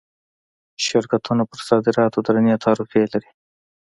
شرکتونه پر صادراتو درنې تعرفې لري.